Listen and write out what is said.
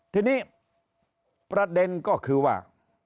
ทีนี้ประเด็นก็คือว่า